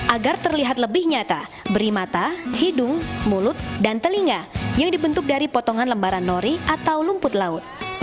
agar terlihat lebih nyata beri mata hidung mulut dan telinga yang dibentuk dari potongan lembaran nori atau lumput laut